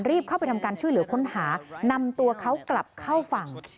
เข้าไปทำการช่วยเหลือค้นหานำตัวเขากลับเข้าฝั่ง